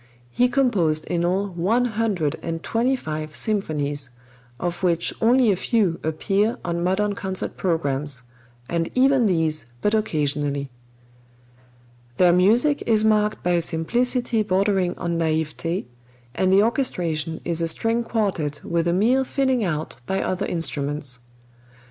He composed in all one hundred and twenty five symphonies, of which only a few appear on modern concert programs, and even these but occasionally. Their music is marked by a simplicity bordering on naïveté, and the orchestration is a string quartet with a mere filling out by other instruments.